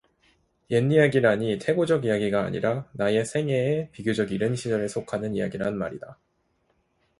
옛이야기라니 태고적 이야기가 아니라 나의 생애의 비교적 이른 시절에 속하는 이야기란 말이다.